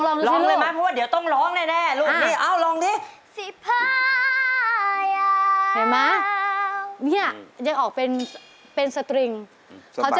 ร้องไหมร้องดีผม